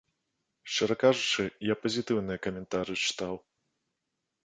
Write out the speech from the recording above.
Шчыра кажучы, я пазітыўныя каментары чытаў.